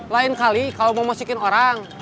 lain kali kalau mau masukin orang